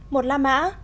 một la mã